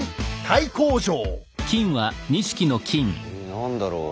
何だろう？